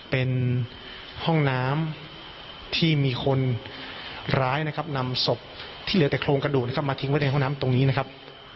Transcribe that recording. เป็นห้องน้ำที่มีคนร้ายนะครับนำศพที่เหลือแต่โครงกระดูกนะครับมาทิ้งไว้ในห้องน้ำตรงนี้นะครับ